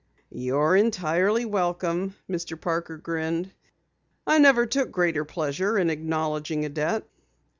"You're entirely welcome," Mr. Parker grinned. "I never took greater pleasure in acknowledging a debt."